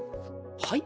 はい？